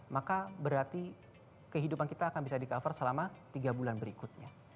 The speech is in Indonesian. maka berarti kehidupan kita akan bisa di cover selama tiga bulan berikutnya